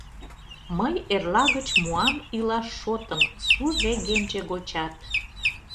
Мый эрла гыч муам илаш шотым сур регенче гочат…